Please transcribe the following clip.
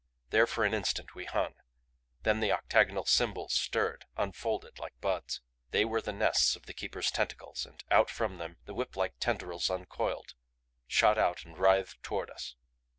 There for an instant we hung. Then the octagonal symbols stirred, unfolded like buds They were the nests of the Keeper's tentacles, and out from them the whiplike tendrils uncoiled, shot out and writhed toward us.